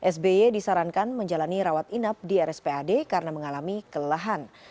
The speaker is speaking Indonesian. sby disarankan menjalani rawat inap di rspad karena mengalami kelelahan